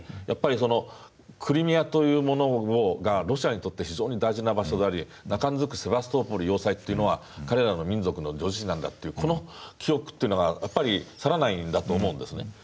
やっぱりクリミアというものがロシアにとって非常に大事な場所でありなかんずくセバストポリ要塞は彼らの民族の叙事詩なんだというこの記憶というのがやっぱり去らないんだと思うんですね。